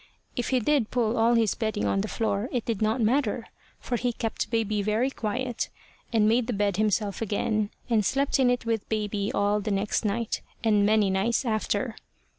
If he did pull all his bedding on the floor, it did not matter, for he kept baby very quiet, and made the bed himself again, and slept in it with baby all the next night, and many nights after.